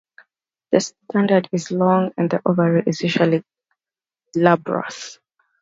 The standard is long and the ovary is usually glabrous.